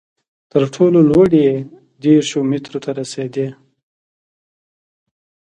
تر ټولو لوړې یې دېرشو مترو ته رسېدې.